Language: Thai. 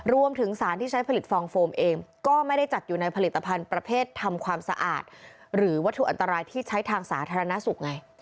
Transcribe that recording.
รวมถึงสารที่ใช้ผลิตฟองโฟมเองก็ไม่ได้จัดอยู่ในผลิตภัณฑ์ประเภททำความสะอาดหรือวัตถุอันตรายที่ใช้ทางสาธารณสุขไง